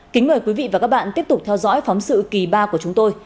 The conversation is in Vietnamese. kính mời quý vị và các bạn tiếp tục theo dõi phóng sự kỳ ba của chúng tôi